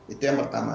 itu yang pertama